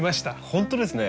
本当ですね。